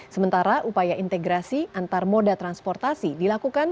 sementara upaya integrasi antar moda transportasi dilakukan